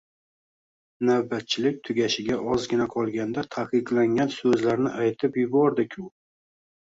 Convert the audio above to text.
Navbatchilik tugashiga ozgina qolganda, taqiqlangan so`zlarni aytib yubordi-ku